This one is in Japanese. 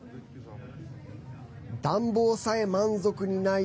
暖房さえ満足にない